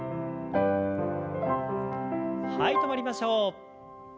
はい止まりましょう。